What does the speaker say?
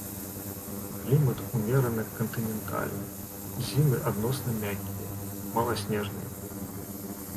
Клімат умерана кантынентальны, зімы адносна мяккія, маласнежныя.